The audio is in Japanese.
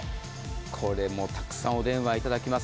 これもたくさんお電話いただきます。